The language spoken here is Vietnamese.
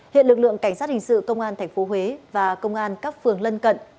hiện lực lượng cảnh sát hình sự công an tp huế và công an các phường lân cận